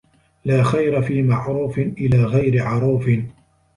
لَا خَيْرَ فِي مَعْرُوفٍ إلَى غَيْرِ عَرُوفٍ